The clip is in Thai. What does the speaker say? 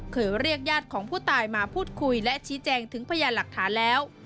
เรียกญาติของผู้ตายมาพูดคุยและชี้แจงถึงพยานหลักฐานแล้ว